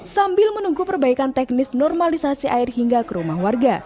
sambil menunggu perbaikan teknis normalisasi air hingga ke rumah warga